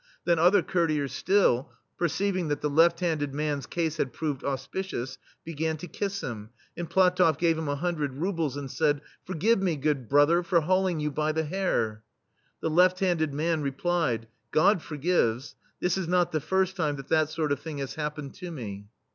Then other courtiers still, perceiv ing that the left handed man's case had proved auspicious, began to kiss him, and PlatofF gave him a hundred rubles and said :" Forgive me, good brother, for hauling you by the hair. The left handed man replied :" God forgives* — this is not the first time that that sort of thing has happened to me.